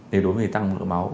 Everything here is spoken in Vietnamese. để đối với tăng mỡ máu